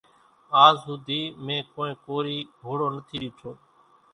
آز ۿوُڌِي مين ڪونئين ڪورِي گھوڙو نٿِي ڏيٺو۔